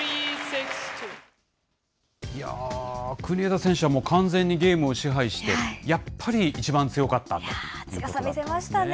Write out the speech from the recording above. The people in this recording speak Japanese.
いやー、国枝選手はもう完全にゲームを支配して、やっぱり一番強かったということですね。